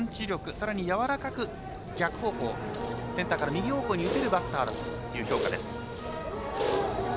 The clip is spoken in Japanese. さらに、やわらかく逆方向センターから右方向に打てるバッターという評価です。